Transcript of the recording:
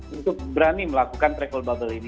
untuk berani melakukan travel bubble ini